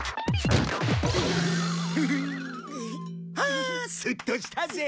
ああスッとしたぜ！